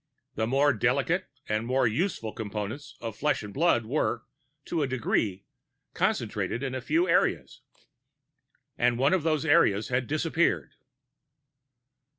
The more delicate and more useful Components of flesh and blood were, to a degree, concentrated in a few areas.... And one of those areas had disappeared.